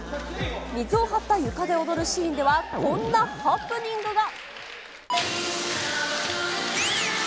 水を張った床で踊るシーンでは、こんなハプニングが。